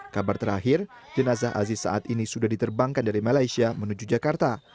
kabar terakhir jenazah aziz saat ini sudah diterbangkan dari malaysia menuju jakarta